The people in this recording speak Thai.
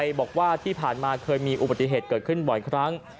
บอกว่าที่ผ่านมาเคยมีอุบัติเหตุเกิดขึ้นบ่อยครั้ง